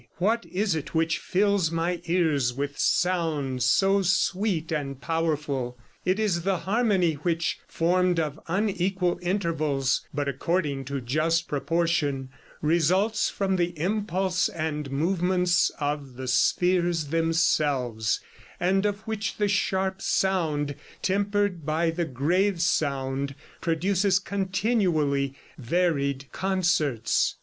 What is it which fills my ears with sounds so sweet and powerful? It is the harmony which, formed of unequal intervals, but according to just proportion, results from the impulse and movements of the spheres themselves, and of which the sharp sound tempered by the grave sound produces continually varied concerts."